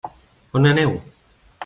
On aneu?